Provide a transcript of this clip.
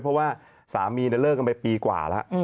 เพราะว่าสามีเลิกกันไปปีกว่าแล้ว